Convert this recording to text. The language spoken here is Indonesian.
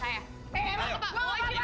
mau ke mana pak